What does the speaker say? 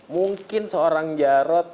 mungkin seorang jarod